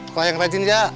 kok yang rajin ya